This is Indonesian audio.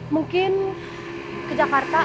mungkin ke jakarta